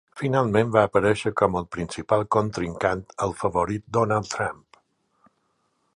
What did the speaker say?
Finalment va aparèixer com el principal contrincant al favorit Donald Trump.